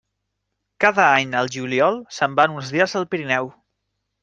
Cada any, al juliol, se'n van uns dies al Pirineu.